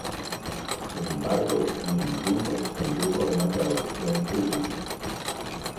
Sin embargo, ninguno condujo a una traducción útil.